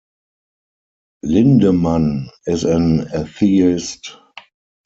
Lindemann is an atheist.